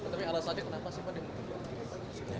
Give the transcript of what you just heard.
tapi alasannya kenapa sih pak